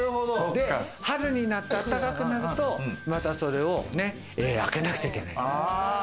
春になってあったかくなるとまたそれを開けなくちゃいけない。